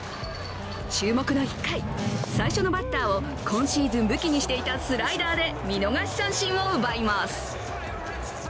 注目の１回、最初のバッターを今シーズン武器にしていたスライダーで見逃し三振を奪います。